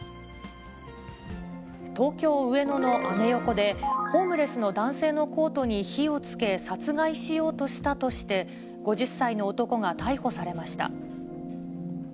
東京・上野のアメ横で、ホームレスの男性のコートに火をつけ、殺害しようとしたとして、５０歳の男が逮捕されました。